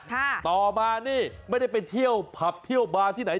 ต่อมานี่ไม่ได้ไปเที่ยวผับเที่ยวบาร์ที่ไหน